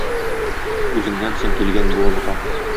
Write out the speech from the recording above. Үзеңнән соң килгән буынга.